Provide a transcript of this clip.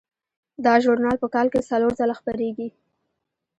دا ژورنال په کال کې څلور ځله خپریږي.